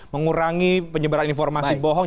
mengurangi penyebaran informasi bohong